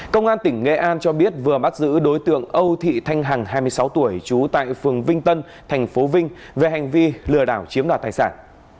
công an tỉnh nghệ an cho biết vừa bắt giữ đối tượng âu thị thanh hằng hai mươi sáu tuổi trú tại phường vinh tân tp vinh về hành vi lừa đảo chiếm đoạt tài sản